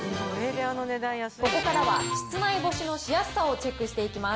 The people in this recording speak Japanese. ここからは室内干しのしやすさをチェックしていきます。